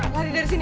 lari dari sini